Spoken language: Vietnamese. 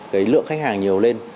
cái lượng khách hàng nhiều lên